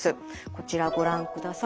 こちらご覧ください。